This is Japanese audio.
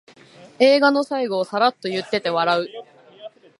映画の最後をサラッと言ってて笑う